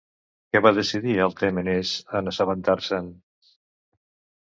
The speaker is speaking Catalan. Què va decidir Altèmenes en assabentar-se'n?